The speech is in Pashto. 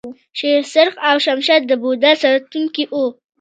شیر سرخ او شمشال د بودا ساتونکي وو